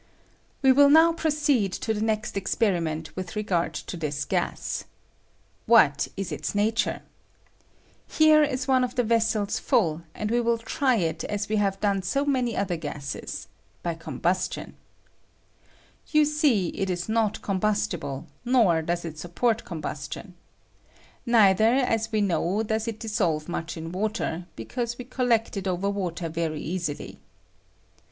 We win now proceed to the nest experiment ■with regard to this gas. What is its nature ? Here is one of the vessels full, and we will try it as we have done so many other gases — by combustion. You see it is not combustible, nor does it support combustion. Neither, as we know, does it dissolve much in water, because 148 CARBONIC ACID SOLUBLE IN WATKB. we collect it over water very easily.